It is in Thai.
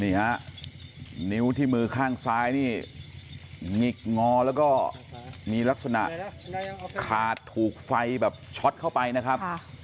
นี่ฮะนิ้วที่มือข้างซ้ายนี่หงิกงอแล้วก็มีลักษณะขาดถูกไฟแบบช็อตเข้าไปนะครับ